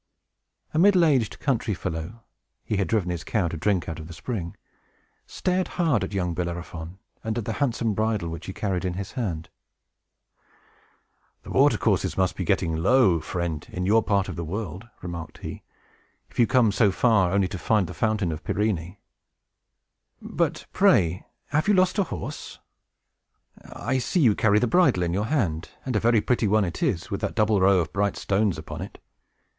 A middle aged country fellow (he had driven his cow to drink out of the spring) stared hard at young Bellerophon, and at the handsome bridle which he carried in his hand. "The water courses must be getting low, friend, in your part of the world," remarked he, "if you come so far only to find the Fountain of Pirene. But, pray, have you lost a horse? I see you carry the bridle in your hand; and a very pretty one it is with that double row of bright stones upon it.